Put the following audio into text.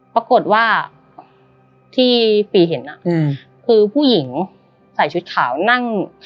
ปรากฏว่าที่ปีเห็นคือผู้หญิงใส่ชุดขาวนั่ง